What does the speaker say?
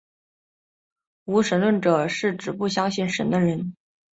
无神论者是指不相信神的人。